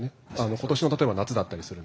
今年の例えば夏だったりするみたいな。